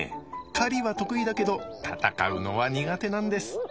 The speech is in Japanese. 狩りは得意だけど戦うのは苦手なんです。